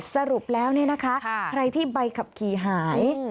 สรุปแล้วเนี่ยนะคะใครที่ใบขับขี่หาย